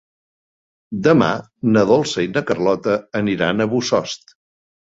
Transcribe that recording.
Demà na Dolça i na Carlota aniran a Bossòst.